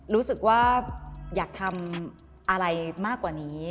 รู้สึกว่าอยากทำอะไรมากกว่านี้